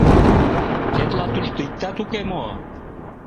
Тетла тушто иктат уке мо?